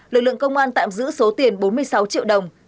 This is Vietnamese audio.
lực lượng công an tạm giữ số tiền bốn mươi sáu triệu đồng